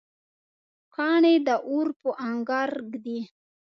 کاڼی د اور په انګار ږدي.